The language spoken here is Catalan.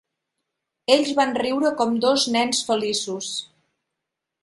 Ells van riure com dos nens feliços.